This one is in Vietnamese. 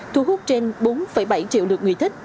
thu hút trên bốn bảy triệu lượt người thích